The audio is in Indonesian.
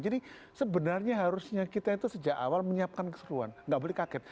jadi sebenarnya harusnya kita itu sejak awal menyiapkan keseruan gak boleh kaget